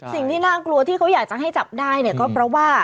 สิ่งที่น่ากลัวที่เขาอยากจะให้จับได้เนี่ยก็เพราะว่า